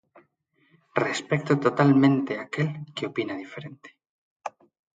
Respecto totalmente aquel que opina diferente.